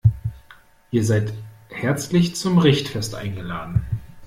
Ihr seid herzlich zum Richtfest eingeladen.